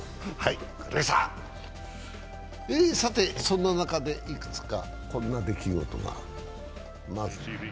さて、そんな中でいくつかこんな出来事が。